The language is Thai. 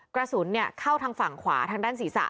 กระสุนเข้าทางฝั่งขวาทางด้านศีรษะ